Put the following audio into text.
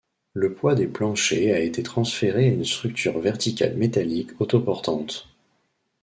Le poids des planchers a été transféré à une structure verticale métallique autoportante.